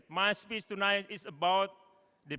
bahwa perbicaraan saya hari ini